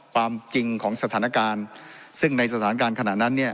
ความจริงของสถานการณ์ซึ่งในสถานการณ์ขณะนั้นเนี่ย